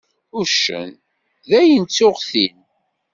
Uccen: Dayen ttuγ-t-in.